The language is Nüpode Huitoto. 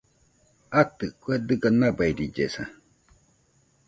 Atɨ , kue dɨga nabairillesa